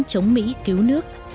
chống mỹ cứu nước